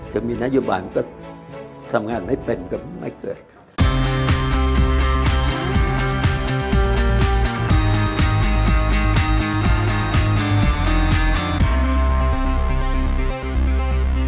ถึงมีนัยบ่ายมันก็ทำงานไม่เป็นก็ไม่เกิด